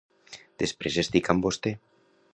Després estic amb vostè.